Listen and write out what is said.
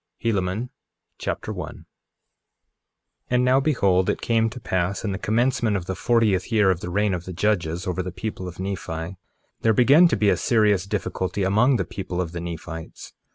Helaman Chapter 1 1:1 And now behold, it came to pass in the commencement of the fortieth year of the reign of the judges over the people of Nephi, there began to be a serious difficulty among the people of the Nephites.